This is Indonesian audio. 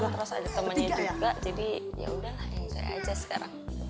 terus ada temannya juga jadi yaudah lah ya enjoy aja sekarang